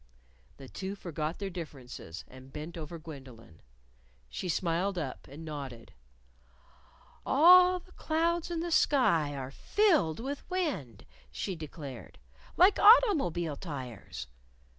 The two forgot their differences, and bent over Gwendolyn. She smiled up, and nodded. "All the clouds in the sky are filled with wind," she declared; "like automobile tires.